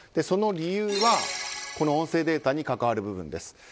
その理由は、この音声データに関わる部分です。